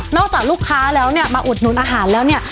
จากลูกค้าแล้วเนี่ยมาอุดหนุนอาหารแล้วเนี่ย